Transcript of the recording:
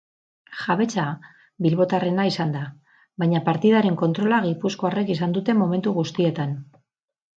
Jabetza bilbotarrena izan da, baina partidaren kontrola gipuzkoarrek izan dute momentu guztietan.